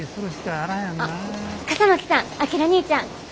あっ笠巻さん章にいちゃん。